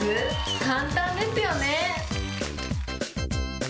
簡単ですよね。